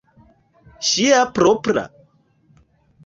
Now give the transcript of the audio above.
Ŝia propra?